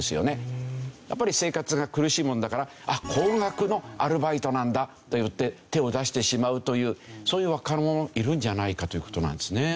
やっぱり生活が苦しいもんだからあっ高額のアルバイトなんだといって手を出してしまうというそういう若者いるんじゃないかという事なんですね。